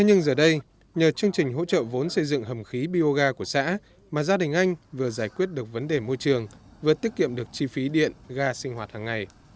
nhờ chương trình hỗ trợ vốn xây dựng hầm khí biogar của xã mà gia đình anh vừa giải quyết được vấn đề môi trường vừa tiết kiệm được chi phí điện ga sinh hoạt hàng ngày